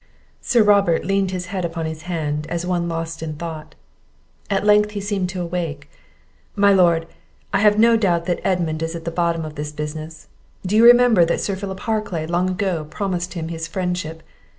Sir Robert leaned his head upon his hand, as one lost in thought; at length he seemed to awake. "My Lord, I have no doubt that Edmund is at the bottom of this business. Do you not remember that Sir Philip Harclay long ago promised him his friendship?